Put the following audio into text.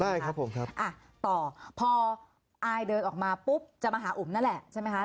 ได้ครับผมครับอ่ะต่อพออายเดินออกมาปุ๊บจะมาหาอุ๋มนั่นแหละใช่ไหมคะ